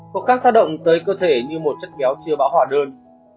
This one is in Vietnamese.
có các tác động tới cơ thể như một chất kéo chưa bảo hỏa đơn